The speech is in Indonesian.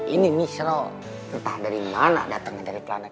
ini misro entah dari mana datengnya dari planet